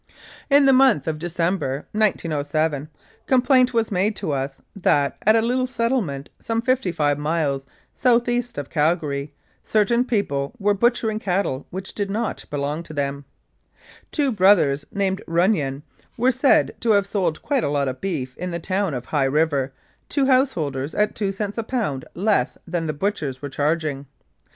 290 Humours and Uncertainties of the Law In the month of December, 1907, complaint was made to us that, at a little settlement some fifty five miles south east of Calgary, certain people were butchering cattle which did not belong to them. Two brothers named Runnion were said to have sold quite a lot of beef in the town of High River to house holders at two cents a pound less than the butchers were charging.